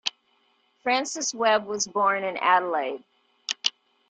Francis Webb was born in Adelaide.